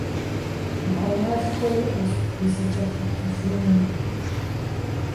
Мыхьэнэшхуэ иӀэщ узыкӀэлъыплъыжынми.